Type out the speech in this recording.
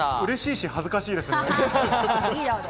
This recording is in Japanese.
嬉しいし、恥ずかしいですね。